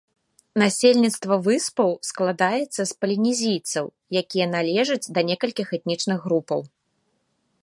Насельніцтва выспаў складаецца з палінезійцаў, якія належаць да некалькіх этнічных групаў.